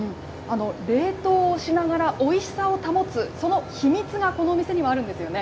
冷凍しながらおいしさを保つ、その秘密がこのお店にはあるんですよね。